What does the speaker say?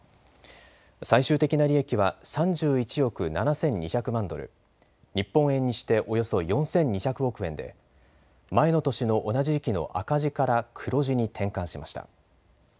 最終的な利益は３１億７２００万ドル、日本円にしておよそ４２００億円で前の年の同じ時期の赤字から黒字に転換しました。